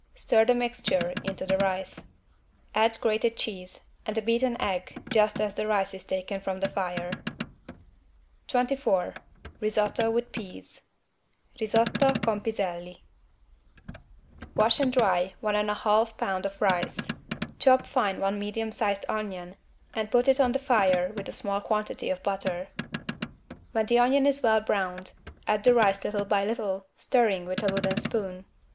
Stir the mixture into the rice. Add grated cheese and a beaten egg just as the rice is taken from the fire. 24 (Risotto con piselli) Wash and dry 1 1/2 lb. rice; chop fine one medium sized onion and put it on the fire with a small quantity of butter. When the onion is well browned, add the rice little by little, stirring with a wooden spoon.